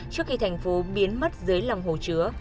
trước khi thành phố biến mất dưới lòng hồ chứa